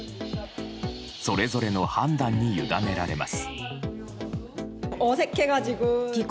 それぞれの判断に委ねられます。